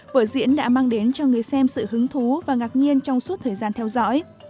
vở diễn đã mang đến cho người xem sự hứng thú và ngạc nhiên trong suốt thời gian theo dõi